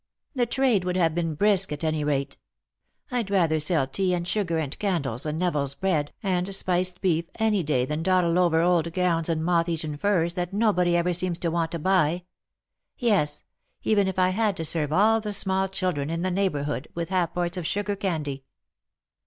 "The trade would have been brisk, at any rate. I'd rather sell tea, and sugar, and candles, and Neville's bread, and spiced beef, any day than dawdle over old gowns and moth eaten furs that nobody ever seems to want to buy. Yes, even if I had to serve all the small children in the neighbourhood with ha'porths of sugar candy."